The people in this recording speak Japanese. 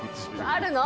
あるの？